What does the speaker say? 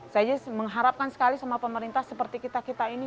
saya mengharapkan sekali sama pemerintah seperti kita kita ini